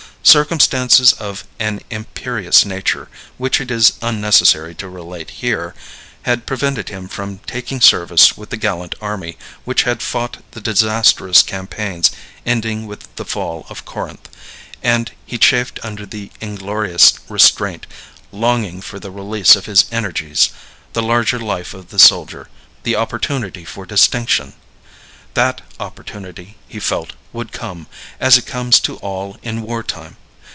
Circumstances of an imperious nature, which it is unnecessary to relate here, had prevented him from taking service with the gallant army which had fought the disastrous campaigns ending with the fall of Corinth, and he chafed under the inglorious restraint, longing for the release of his energies, the larger life of the soldier, the opportunity for distinction. That opportunity, he felt, would come, as it comes to all in war time.